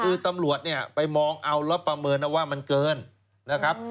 คือตำรวจเนี่ยไปมองเอาแล้วประเมินเอาว่ามันเกินนะครับ